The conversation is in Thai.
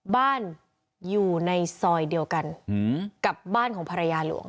บ้านอยู่ในซอยเดียวกันกับบ้านของภรรยาหลวง